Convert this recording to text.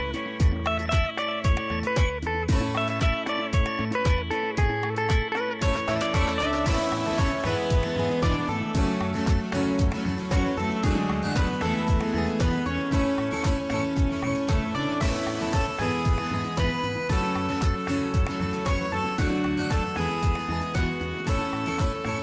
โปรดติดตามตอนต่อไป